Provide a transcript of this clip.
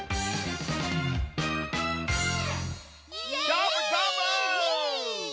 どーもどーも！